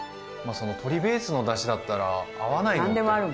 鶏ベースのだしだったら合わないものって。